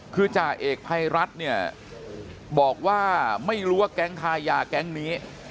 คือจ่าเอกภัยรัฐเนี่ยบอกว่าไม่รู้ว่าแก๊งทายาแก๊งนี้